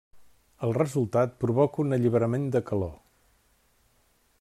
El resultat provoca un alliberament de calor.